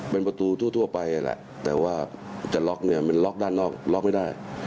เป็นประตูทั่วไปแหละแต่ว่าจะล็อกเนี่ยมันล็อกด้านนอกล็อกไม่ได้